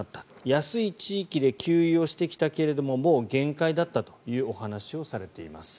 安い地域で給油してきたけどももう限界だったというお話をされています。